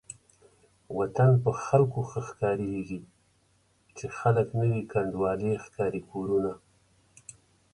وطن په خلکو ښه ښکاريږي چې خلک نه وي کنډوالې ښکاري کورونه